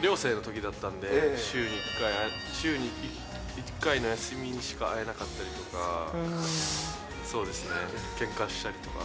寮生のときだったんで、週に１回の休みにしか会えなかったりとか、そうですね、けんかしたりとか。